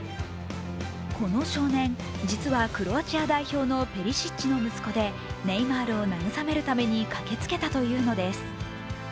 この少年、実はクロアチア代表のペリシッチの息子でネイマールを慰めるために駆けつけたというのです。